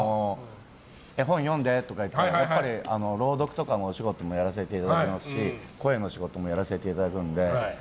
絵本読んでとか言っても朗読とかのお仕事もやらせていただいてますし声の仕事もやらせていただくので。